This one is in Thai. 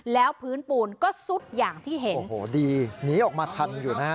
แล้วพื้นปูนก็ซุดอย่างที่เห็นโอ้โหดีหนีออกมาทันอยู่นะฮะ